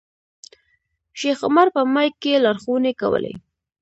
شیخ عمر په مایک کې لارښوونې کولې.